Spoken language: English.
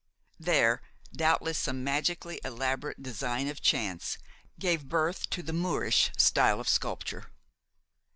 There, doubtless some magically elaborate design of chance gave birth to the Moorish style of sculpture.